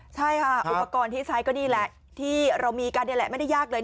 ใช่ค่ะอุปกรณ์ที่ใช้ก็นี่แหละที่เรามีกันนี่แหละไม่ได้ยากเลย